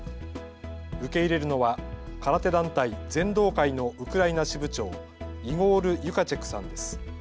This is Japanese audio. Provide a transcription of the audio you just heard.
受け入れるのは空手団体、禅道会のウクライナ支部長、イゴール・ユカチェクさんです。